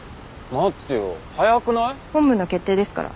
待ってよ早くない？本部の決定ですから。